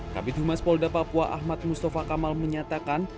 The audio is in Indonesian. kabit humas polda papua ahmad mustafa kamal menyatakan